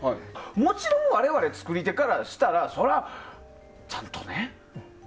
もちろん我々、作り手からしたらそれはちゃんとね